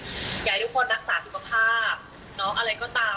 อยากให้ทุกคนรักษาสุขภาพอะไรก็ตาม